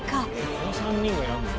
この３人がやるの？